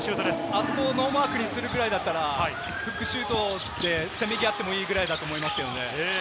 あそこをノーマークにするくらいだったら、浮くシュートでせめぎ合ってもいいぐらいだと思いますね。